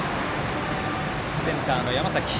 センターの山崎。